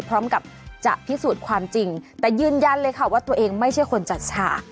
พร้อมกับจะพิสูจน์ความจริงแต่ยืนยันเลยค่ะว่าตัวเองไม่ใช่คนจัดฉาก